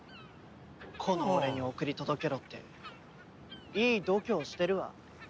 この俺に送り届けろっていい度胸してるわ。